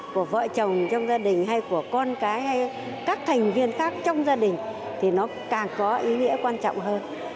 của vợ chồng trong gia đình hay của con cái hay các thành viên khác trong gia đình thì nó càng có ý nghĩa quan trọng hơn